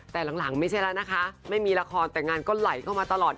แต่หลังไม่ใช่แล้วนะคะไม่มีละครแต่งานก็ไหลเข้ามาตลอด